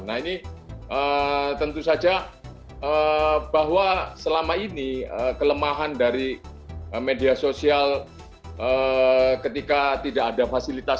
nah ini tentu saja bahwa selama ini kelemahan dari media sosial ketika tidak ada fasilitas